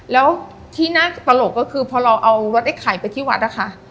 แล้วที่น่าตลกก็คือพอเราเอารถไอ้ไข่ไปที่วัดนะคะ